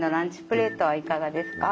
プレートはいかがですか？